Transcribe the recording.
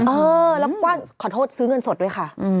เออแล้วก็ขอโทษซื้อเงินสดด้วยค่ะ